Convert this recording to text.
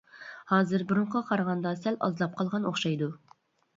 ھازىر بۇرۇنقىغا قارىغاندا سەل ئازلاپ قالغان ئوخشايدۇ.